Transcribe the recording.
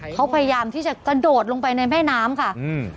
เขาพยายามที่จะกระโดดลงไปในแม่น้ำค่ะอืม